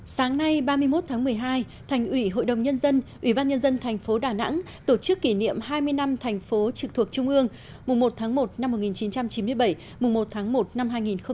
sáng nay ba mươi một tháng một mươi hai thành ủy hội đồng nhân dân ủy ban nhân dân thành phố đà nẵng tổ chức kỷ niệm hai mươi năm thành phố trực thuộc trung ương mùng một tháng một năm một nghìn chín trăm chín mươi bảy mùng một tháng một năm hai nghìn hai mươi